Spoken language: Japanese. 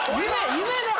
夢の話。